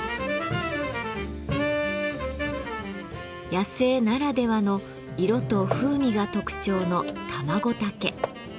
野生ならではの色と風味が特徴のタマゴタケ。